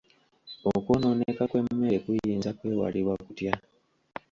Okwonooneka kw'emmere kuyinza kwewalibwa kutya?